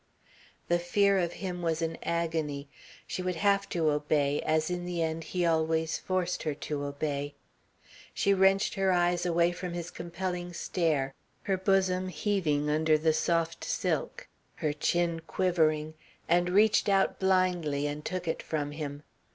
The fear of him was an agony. She would have to obey, as in the end he always forced her to obey. She wrenched her eyes away from his compelling stare, her bosom heaving under the soft silk, her chin quivering, and reached out blindly and took it from him.